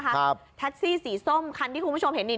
คันนี้เป็นรถทซี่สีส้ม